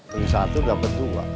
dari satu dapet dua